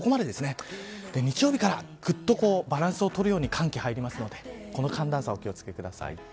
日曜日からぐっとバランスをとるように寒気が入りますのでこの寒暖差にお気をつけください。